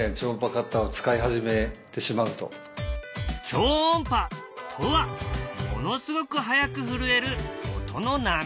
超音波とはものすごく速く震える音の波のこと。